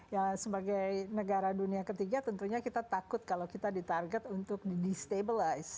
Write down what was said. ya sebagai negara dunia ketiga tentunya kita takut kalau kita ditarget untuk di destabilize